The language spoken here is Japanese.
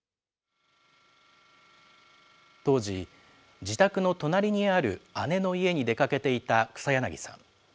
当時、自宅の隣にある姉の家に出かけていた草柳さん。